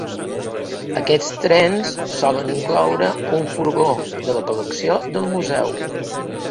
Aquests trens solen incloure un furgó de la col·lecció del museu.